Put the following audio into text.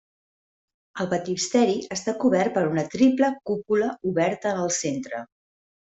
El baptisteri està cobert per una triple cúpula, oberta en el centre.